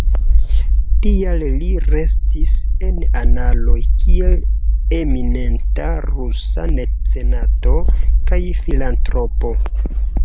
Tial li restis en analoj kiel eminenta rusa mecenato kaj filantropo.